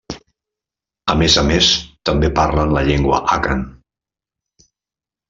A més a més, també parlen la llengua àkan.